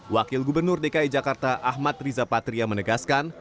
wakil gubernur dki jakarta ahmad riza patria menegaskan